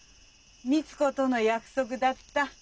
光子との約束だった。